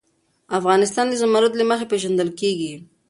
افغانستان د زمرد له مخې پېژندل کېږي.